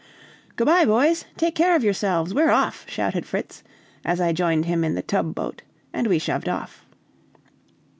"Good by, boys, take care of yourselves! we're off," shouted Fritz, as I joined him in the tub boat, and we shoved off.